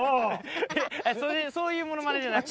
そういうモノマネじゃなくて。